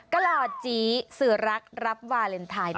กล่อจีสื่อรักรับวาเลนไทน์ด้านตาล